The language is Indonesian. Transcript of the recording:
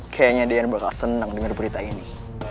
kayanya dian bakal seneng denger berita ini